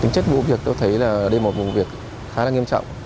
tính chất vụ việc tôi thấy là đây là một vụ việc khá là nghiêm trọng